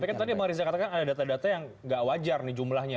tapi kan tadi bang riza katakan ada data data yang nggak wajar nih jumlahnya